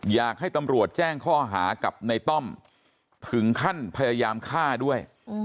อยากให้ตำรวจแจ้งข้อหากับในต้อมถึงขั้นพยายามฆ่าด้วย